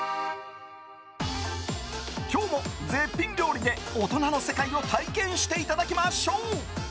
今日も絶品料理で大人の世界を体験していただきましょう。